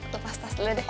lepas tas dulu deh